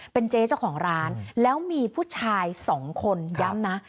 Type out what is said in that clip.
เป็นเจ๊เจ้าของร้านแล้วมีผู้ชายสองคนย้ำนะ